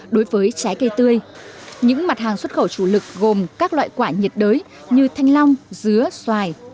đối với trái cây tươi những mặt hàng xuất khẩu chủ lực gồm các loại quả nhiệt đới như thanh long dứa xoài